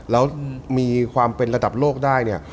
แล้วมีความเป็นระดับโลกได้เนี่ย